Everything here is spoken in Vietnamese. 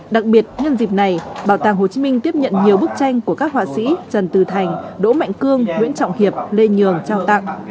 đặc biệt nhân dịp này bảo tàng hồ chí minh tiếp nhận nhiều bức tranh của các họa sĩ trần từ thành đỗ mạnh cương nguyễn trọng hiệp lê nhường trao tặng